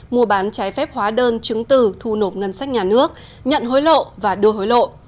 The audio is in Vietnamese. mua bán trái phép hóa đơn chứng từ thu nộp ngân sách nhà nước nhận hối lộ và đưa hối lộ